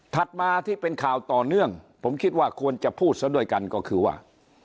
มาที่เป็นข่าวต่อเนื่องผมคิดว่าควรจะพูดซะด้วยกันก็คือว่า